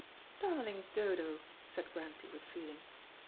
"Darling Dodo," said Grantie with feeling.